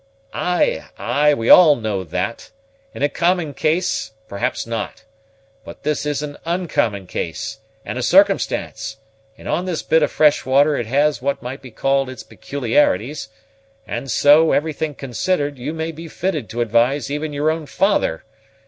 "Ay, ay, we all know that. In a common case, perhaps not. But this is an uncommon case, and a circumstance; and on this bit of fresh water it has what may be called its peculiarities; and so, everything considered, you may be fitted to advise even your own father.